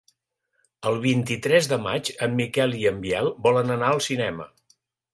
El vint-i-tres de maig en Miquel i en Biel volen anar al cinema.